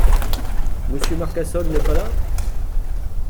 Monsieur Marcassol n’est pas là ?